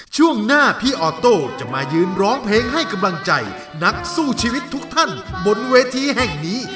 ช่วงหน้าพี่ออโต้จะมายืนร้องเพลงให้กำลังใจนักสู้ชีวิตทุกท่านบนเวทีแห่งนี้